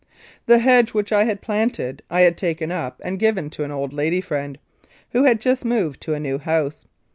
The hedge which I had planted I had taken up and given to an old lady friend, who had just moved to a new house.